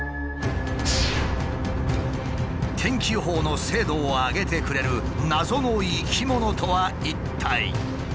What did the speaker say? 天気予報の精度を上げてくれる謎の生き物とは一体。